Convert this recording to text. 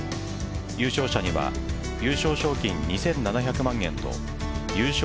優勝者には優勝賞金２７００万円と優勝